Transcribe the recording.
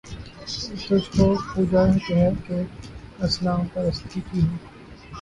تجھ کو پوجا ہے کہ اصنام پرستی کی ہے